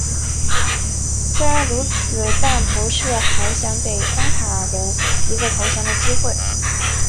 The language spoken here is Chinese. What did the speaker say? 虽然如此但博士还想给桑塔人一个投降的机会。